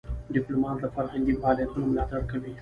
ډيپلومات له فرهنګي فعالیتونو ملاتړ کوي.